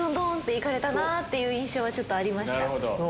いかれた印象はちょっとありました。